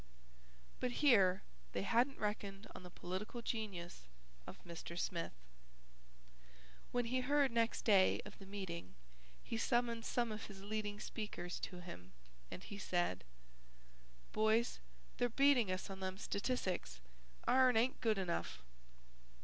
But here they hadn't reckoned on the political genius of Mr. Smith. When he heard next day of the meeting, he summoned some of his leading speakers to him and he said: "Boys, they're beating us on them statissicks. Ourn ain't good enough."